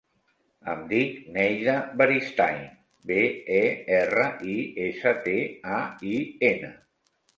Em dic Neida Beristain: be, e, erra, i, essa, te, a, i, ena.